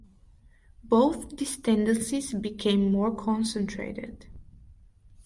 Both these tendencies became more concentrated.